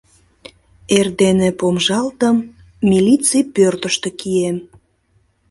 Эрдене помыжалтым — милиций пӧртыштӧ кием...